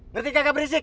ngerti kakak berisik